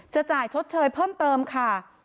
จ่ายชดเชยเพิ่มเติมค่ะ